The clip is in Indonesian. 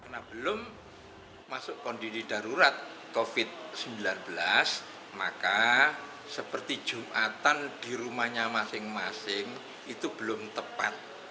masukkan di darurat covid sembilan belas maka seperti jumatan di rumahnya masing masing itu belum tepat